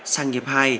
sang nghiệp hai